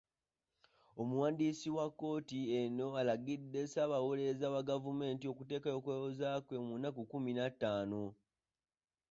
Omuwandiisi wa kkooti eno alagidde Ssaabawolereza wa gavumenti okuteekayo okwewozaako kwe mu nnaku kkumi na ttaano.